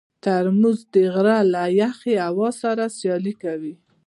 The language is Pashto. ترموز د غره له یخې هوا سره سیالي کوي.